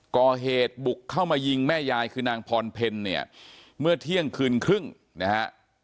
ก่อเหตุบุกเข้ามายิงแม่ยายคือนางพรเพลเนี่ยเมื่อเที่ยงคืนครึ่งนะฮะ